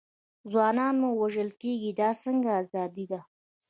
ځوانان مو وژل کېږي، دا څنګه ازادي ده.